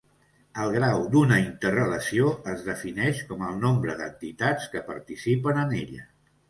El grau d’una interrelació es defineix com el nombre d’entitats que participen en ella.